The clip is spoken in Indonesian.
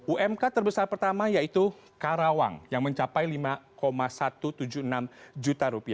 umk terbesar pertama yaitu karawang yang mencapai rp lima satu ratus tujuh puluh enam juta